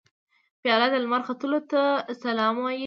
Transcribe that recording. پیاله د لمر ختو ته سلام وايي.